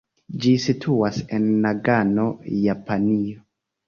Ĝi situas en Nagano, Japanio.